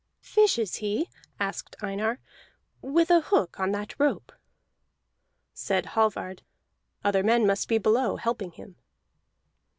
"Fishes he," asked Einar, "with a hook on that rope?" Said Hallvard: "Other men must be below, helping him."